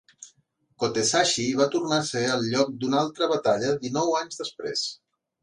Kotesashi va tornar a ser el lloc d'una altra batalla dinou anys després.